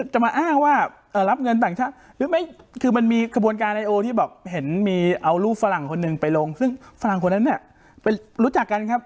อย่างโดยที่บอกเห็นมีเอารูปฝรั่งคนหนึ่งไปลงซึ่งฝรั่งคนนั้นเนี่ยรู้จักกันครับ